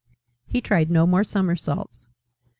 He tried no more somersaults.